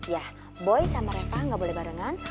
ya boy sama reva nggak boleh barengan